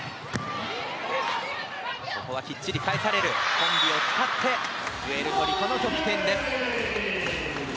コンビを使ってプエルトリコの得点です。